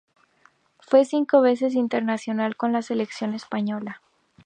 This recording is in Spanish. Fue cinco veces internacional con la selección española.